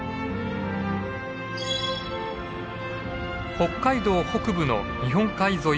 北海道北部の日本海沿い